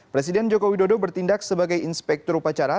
presiden joko widodo bertindak sebagai inspektur upacara